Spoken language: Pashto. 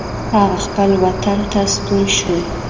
هغه خپل وطن ته ستون شو.